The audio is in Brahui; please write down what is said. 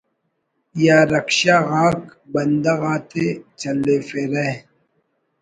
یا رکشہ غاک بندغ آتے چلیفرہ